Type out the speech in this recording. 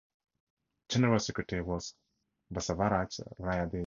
General Secretary was Basavaraj Rayareddy.